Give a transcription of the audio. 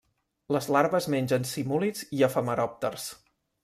Les larves mengen simúlids i efemeròpters.